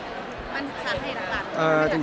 มันสาเหตุหลักหรือไม่สาเหตุหลัก